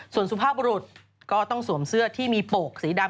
ส่วนสุภาพบรุษก็ต้องสวมเสื้อที่มีโปกสีดำ